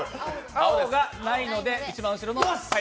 青がないので、一番後ろの船を。